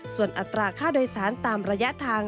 ส่วนอัตราค่าโดยสารตามระยะทาง